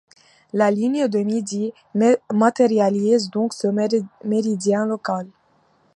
La ligne de midi matérialise donc ce méridien local.